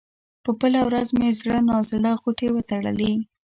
په بله ورځ مې زړه نا زړه غوټې وتړلې.